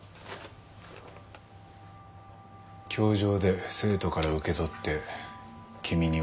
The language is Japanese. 教場で生徒から受け取って君に渡したはずだが。